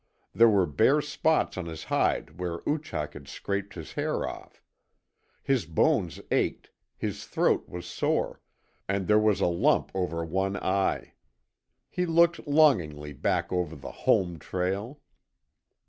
There were bare spots on his hide where Oochak had scraped the hair off. His bones ached, his throat was sore, and there was a lump over one eye. He looked longingly back over the "home" trail.